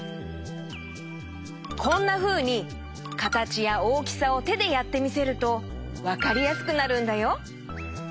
こんなふうにかたちやおおきさをてでやってみせるとわかりやすくなるんだよ。